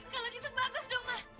kalau gitu bagus dong mas